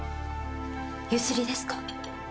ゆすりですか？